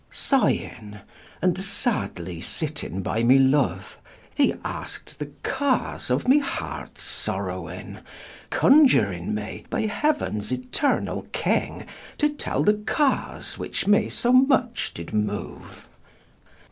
Sighing, and sadly sitting by my loue, He askt the cause of my hearts sorrowing, Coniuring me by heauens etemall King, To tell the cause which me so much did moue.